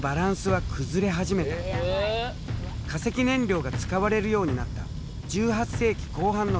化石燃料が使われるようになった１８世紀後半の産業革命からだ。